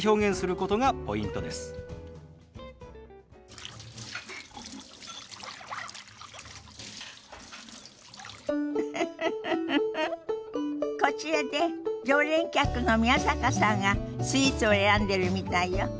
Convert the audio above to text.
こちらで常連客の宮坂さんがスイーツを選んでるみたいよ。